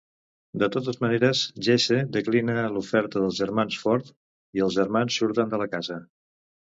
De totes maneres, Jesse declina l'oferta dels germans Ford i els germans surten de la casa.